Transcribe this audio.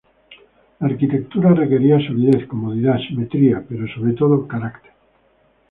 La arquitectura requería solidez, comodidad, simetría pero por sobre todo, carácter.